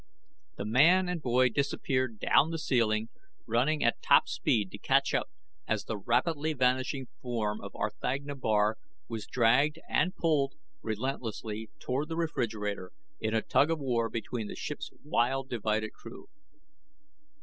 ? The man and the boy disappeared down the ceiling, running at top speed to catch up as the rapidly vanishing form of R'thagna Bar was dragged and pulled relentlessly toward the refrigerator in a tug of war between the ship's wild, divided crew.